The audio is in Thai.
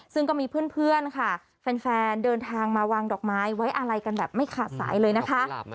ซึ่งก็มีเพื่อนค่ะแฟนเดินทางมาวางดอกไม้ไว้อะไรกันแบบไม่ขาดสายเลยนะคะ